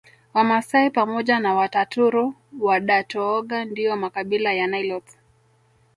Wamasai pamoja na Wataturu Wadatooga ndio makabila ya Nilotes